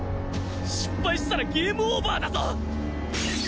失敗したらゲームオーバーだぞ！？